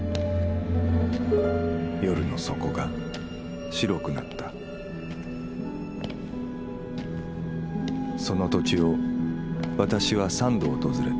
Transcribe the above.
夜の底が白くなったその土地を私は３度訪れた。